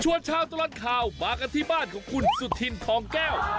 ชาวตลอดข่าวมากันที่บ้านของคุณสุธินทองแก้ว